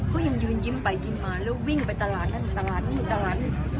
ก็ยังยืนยิ้มไปยิ้มมาแล้ววิ่งไปตลาดนั่นตลาดนี่ตลาดนี้